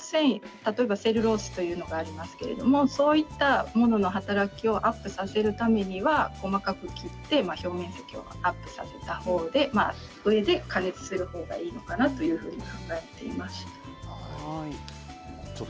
例えばセルロースがありますがそういったものの働きをアップさせるためには細かく切って表面積をアップさせたほうで加熱するほうがいいのかなと考えています。